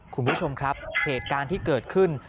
คุณผู้ชมครับเหตุการณ์ที่เกิดขึ้น